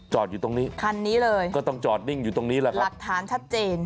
อยู่ตรงนี้คันนี้เลยก็ต้องจอดนิ่งอยู่ตรงนี้แหละครับหลักฐานชัดเจน